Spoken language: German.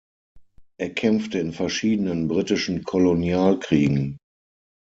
Er kämpfte in verschiedenen britischen Kolonialkriegen.